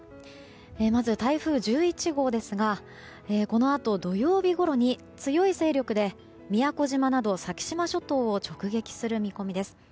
まず、台風１１号ですがこのあと土曜日ごろに強い勢力で宮古島など先島諸島を直撃する見込みです。